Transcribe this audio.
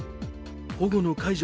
保護の解除